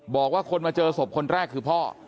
บอกว่าคนมาเจอศพคนแรกคือพ่อ